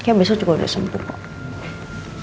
kayaknya besok juga udah sempur kok